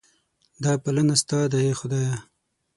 دا پالنه ستا ده ای خدایه.